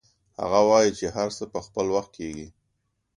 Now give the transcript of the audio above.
هغه وایي چې هر څه په خپل وخت کیږي